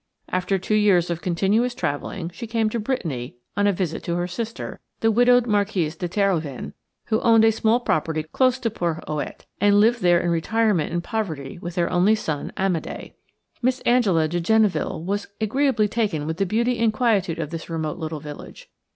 After two years of continuous travelling, she came to Brittany on a visit to her sister–the widowed Marquise de Terhoven, who owned a small property close to Porhoët, and lived there in retirement and poverty with her only son, Amédé. Miss Angela de Genneville was agreeably taken with the beauty and quietude of this remote little village.